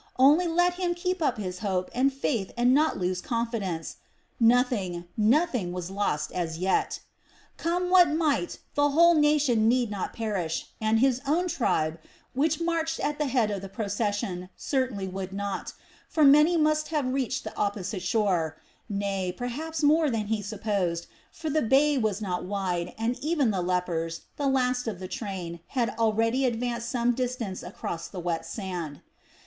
Only let him keep up his hope and faith and not lose confidence. Nothing, nothing was lost as yet. Come what might, the whole nation need not perish, and his own tribe, which marched at the head of the procession, certainly would not; for many must have reached the opposite shore, nay, perhaps more than he supposed; for the bay was not wide, and even the lepers, the last of the train, had already advanced some distance across the wet sand.